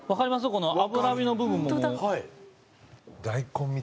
この脂身の部分ももう。